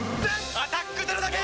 「アタックＺＥＲＯ」だけ！